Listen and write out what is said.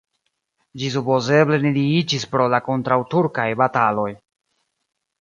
Ĝi supozeble neniiĝis pro la kontraŭturkaj bataloj.